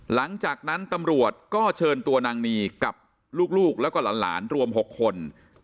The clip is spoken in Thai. หลังจากนั้นตำรวจก็เชิญตัวนางนีกับลูกแล้วก็หลานรวม๖คน